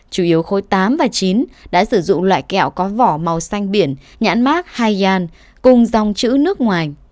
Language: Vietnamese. chủ yếu khối tám và chín đã sử dụng loại kẹo có vỏ màu xanh biển nhãn mát hay cùng dòng chữ nước ngoài